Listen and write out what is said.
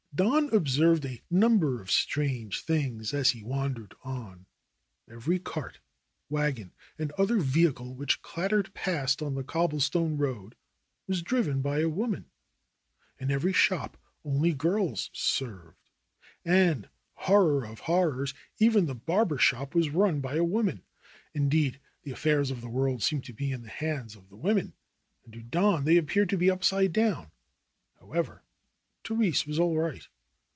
Don observed a number of strange things as he wan dered on. Every cart, wagon and other vehicle which clattered past on the cobblestone road was driven by a woman. In every shop only girls served. And, horror of horrors, even the barber shop was run by a woman. Indeed, the affairs of the world seemed to be in the hands of the women, and to Don they appeared to be upside down. However, Therese was all right.